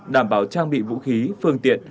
đảm bảo trang bị vũ khí phương tiện